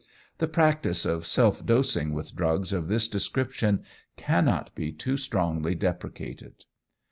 The practice of self dosing with drugs of this description cannot be too strongly deprecated.